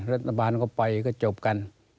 รัฐบาลก็ไปก็จบกัน